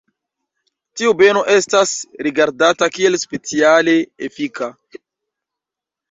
Tiu beno estas rigardata kiel speciale efika.